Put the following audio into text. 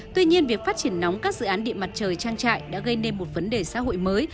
tuy nhiên việc phát triển nóng các dự án điện mặt trời trang trại đã gây nên một vấn đề xã hội mới